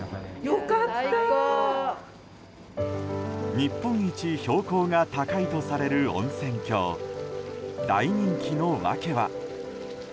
日本一標高が高いとされる温泉郷、大人気の訳は。